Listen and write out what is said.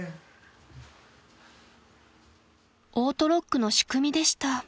［オートロックの仕組みでした］